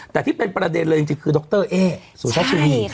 แต่ที่เป็นประเด็นเลยจริงคือดรเอ๊สุทัชชินี